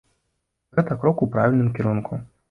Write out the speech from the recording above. Гэта крок у правільным кірунку.